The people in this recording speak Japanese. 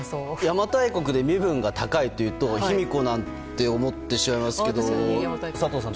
邪馬台国で身分が高いというと卑弥呼なんて思ってしまいますが佐藤さん